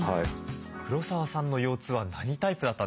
黒沢さんの腰痛は何タイプだったんでしょうか？